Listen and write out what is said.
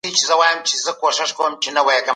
نړیوالي مرستې څنګه منظوریږي؟